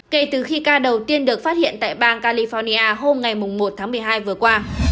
kể từ khi ca đầu tiên được phát hiện tại bang california hôm ngày một tháng một mươi hai vừa qua